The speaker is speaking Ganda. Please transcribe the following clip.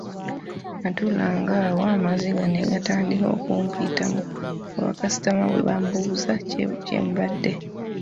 Natuulanga awo amaziga ne gatandika okumpitamu nga ba kaasitoma bwe bambuuza kye mbadde.